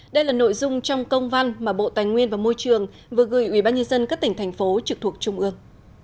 đây là nội dung trong công văn mà bộ tài nguyên và môi trường vừa gửi ubnd các tỉnh thành phố trực thuộc trung ương